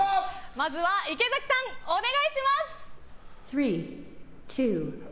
まずは池崎さん、お願いします。